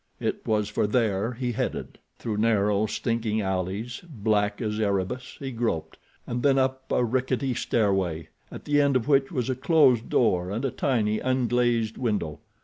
It was for there he headed. Through narrow, stinking alleys, black as Erebus, he groped, and then up a rickety stairway, at the end of which was a closed door and a tiny, unglazed window.